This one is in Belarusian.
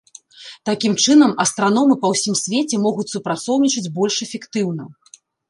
Такім чынам, астраномы па ўсім свеце могуць супрацоўнічаць больш эфектыўна.